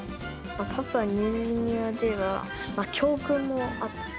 パプアニューギニアでは、教訓もあって。